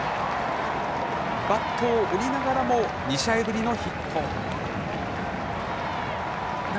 バットを折りながらも、２試合ぶりのヒット。